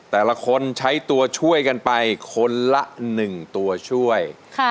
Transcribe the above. แต่ละคนใช้ตัวช่วยกันไปคนละ๑ตัวช่วย